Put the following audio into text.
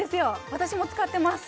私も使ってます